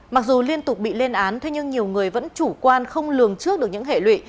mặc dù liên tục bị lên án thế nhưng nhiều người vẫn chủ quan không lường trước được những hệ lụy